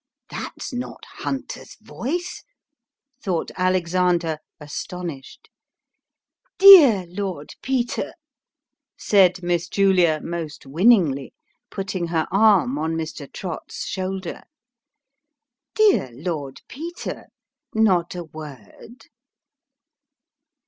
" That's not Hunter's voice !" thought Alexander, astonished. " Dear Lord Peter !" said Miss Julia, most winningly : putting her arm on Mr. Trott's shoulder. " Dear Lord Peter. Not a word